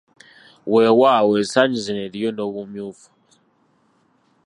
Weewaawo ensangi zino eriyo n’obumyufu.